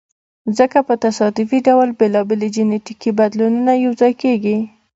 ځکه په تصادفي ډول بېلابېل جینټیکي بدلونونه یو ځای کیږي.